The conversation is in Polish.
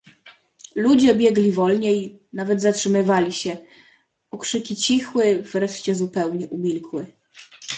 "Ludzie biegli wolniej, nawet zatrzymywali się, okrzyki cichły, wreszcie zupełnie umilkły."